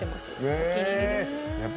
お気に入りです。